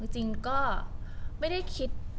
จริงก็ไม่ได้คิด